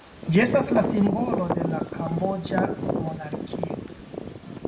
Ĝi estas la simbolo de la kamboĝa monarkio.